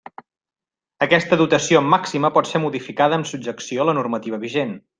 Aquesta dotació màxima pot ser modificada, amb subjecció a la normativa vigent.